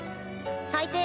最低